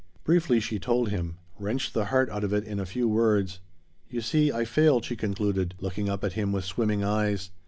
Briefly she told him wrenched the heart out of it in a few words. "You see, I failed," she concluded, looking up at him with swimming eyes.